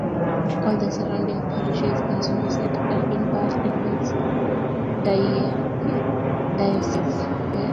All the surrounding parishes in Somerset are in Bath and Wells diocese.